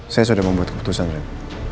saya sudah membuat keputusan saya